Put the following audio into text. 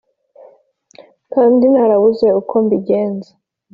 kandi narabuze uko mbigenza